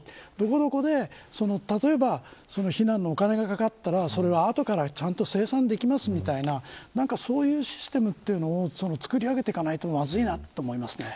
どこで例えば避難のお金がかかったら後からちゃんと清算できますみたいなそういうシステムというのもつくり上げていかないとまずいなと思います。